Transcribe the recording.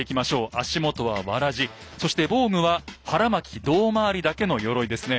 足元はわらじそして防具は腹巻胴回りだけのよろいですね。